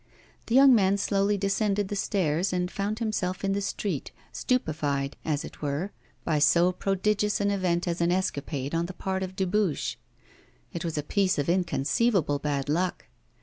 The young man slowly descended the stairs and found himself in the street, stupefied, as it were, by so prodigious an event as an escapade on the part of Dubuche. It was a piece of inconceivable bad luck.